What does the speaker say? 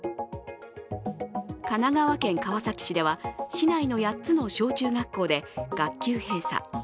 神奈川県川崎市では市内の８つの小中学校で学級閉鎖。